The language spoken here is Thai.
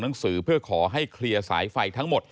ขายประเทศไทย